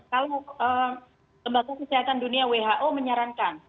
jadi tempat kesehatan dunia who menyarankan